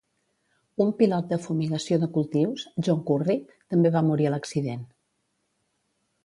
Un pilot de fumigació de cultius, John Curry, també va morir a l'accident.